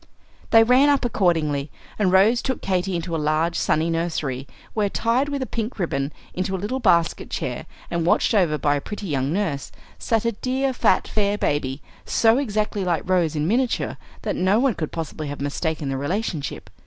They ran up accordingly, and Rose took Katy into a large sunny nursery, where, tied with pink ribbon into a little basket chair and watched over by a pretty young nurse, sat a dear, fat, fair baby, so exactly like Rose in miniature that no one could possibly have mistaken the relationship.